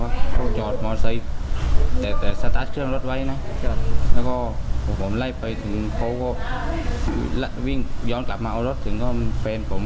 วิ่งก็ย้อนกลับมาเอารถมาที่เฟรนผม